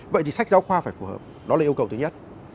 vậy thì sách giáo khoa phải phù hợp đó là yêu cầu thứ nhất